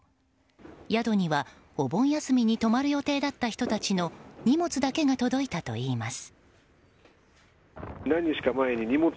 宿にはお盆休みに泊まる予定だった人たちの荷物だけが届いたといいます。